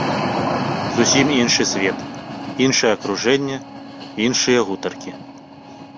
Зусім іншы свет, іншае акружэнне, іншыя гутаркі.